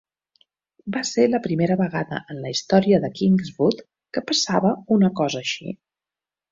Va ser la primera vegada en la història de Kingswood que passava una cosa així.